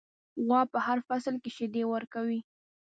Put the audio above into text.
غوا په هر فصل کې شیدې ورکوي.